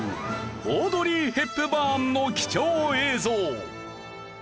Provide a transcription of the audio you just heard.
オードリー・ヘップバーンの貴重映像。